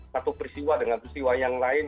satu peristiwa dengan peristiwa yang lain